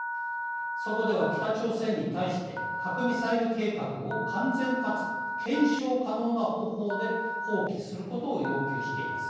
そこでは北朝鮮に対して核・ミサイル計画を完全かつ検証可能な方法で放棄することを要求しています。